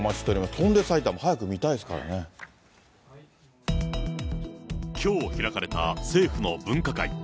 翔んで埼玉、きょう開かれた政府の分科会。